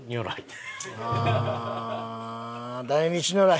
大日如来。